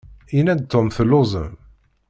Yenna-d Tom telluẓem.